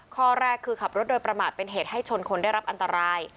ข้อแรกคือขับรถโดยประมาทเป็นเหตุให้ชนคนได้รับอันตราย